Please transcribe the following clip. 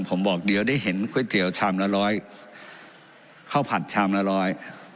ผมบอกเดี๋ยวได้เห็นก๋วยเตี๋ยวชามละร้อยข้าวผัดชามละร้อย